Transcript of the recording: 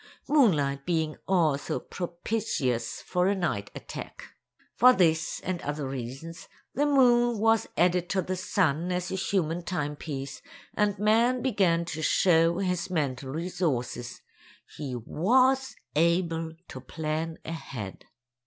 —moonlight being also propitious for a night attack. For this and other reasons, the moon was added to the sun as a human timepiece, and man began to show his mental resources—he was able to plan ahead.